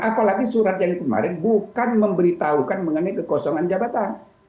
apalagi surat yang kemarin bukan memberitahukan mengenai kekosongan jabatan